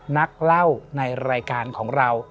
นักเล่าในรายการของเรา